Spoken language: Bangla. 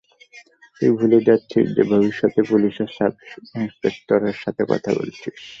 তুই ভুলে যাচ্ছিস যে ভবিষ্যত পুলিশের সাব-ইন্সপেক্টর সাথে কথা বলছিস।